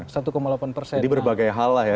jadi berbagai hal lah ya